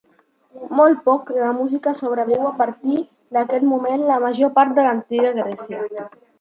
Molt poc la música sobreviu a partir d'aquest moment, la major part de l'antiga Grècia.